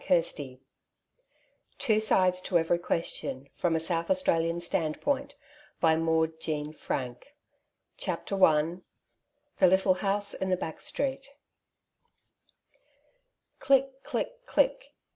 ^^ n " TWO SIDES TO EVERY QUESTION, FROM A SOUTH AUSTRALIAN STASDPOIKT. CHAPTER L THE LITTLE HOUSE IS THE BACK BTECET. Click ! click ! click